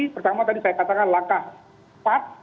pertama tadi saya katakan langkah cepat